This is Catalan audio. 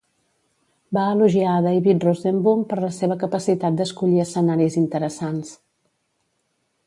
Va elogiar a David Rosenboom per la seva capacitat d'escollir escenaris interessants.